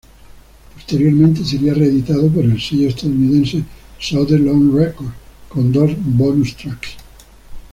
Posteriormente sería re-editado por el sello estadounidense Southern Lord Records, con dos bonus tracks.